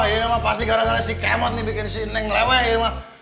wah ini emang pasti gara gara si kemut nih bikin si neng melewet ini emang